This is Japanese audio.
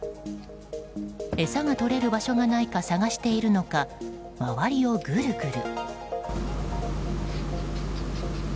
餌がとれる場所がないか探しているのか周りをグルグル。